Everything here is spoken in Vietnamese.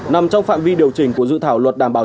nằm trong phạm vi điều chỉnh của dự thảo luật đảm bảo